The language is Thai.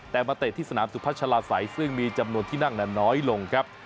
แต่มาเตะที่สนามสุพัชลาศัยซึ่งมีจำนวนที่นั่งนั้นน้อยลงครับ